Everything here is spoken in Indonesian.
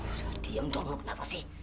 udah diam dong lu kenapa sih